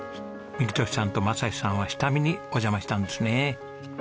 幹寿さんと雅士さんは下見にお邪魔したんですね。